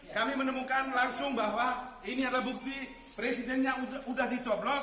kami menemukan langsung bahwa ini adalah bukti presidennya sudah dicoblos